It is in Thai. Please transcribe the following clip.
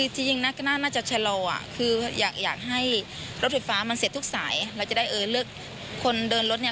ฉุกละหุกแล้วมันก็เริ่มเลย